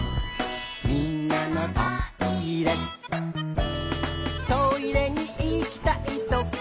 「みんなのトイレ」「トイレに行きたいときは」